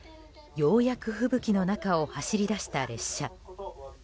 ようやく吹雪の中を走り出した列車。